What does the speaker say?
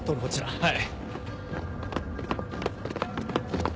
はい。